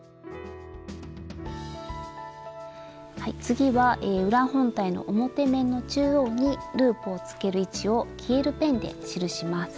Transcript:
次は裏本体の表面の中央にループをつける位置を消えるペンで記します。